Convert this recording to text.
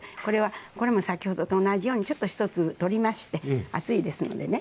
これも先ほどと同じようにちょっと１粒取りまして熱いですのでね